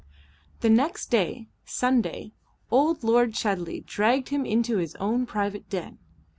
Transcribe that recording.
The next day, Sunday, old Lord Chudley dragged him into his own private den.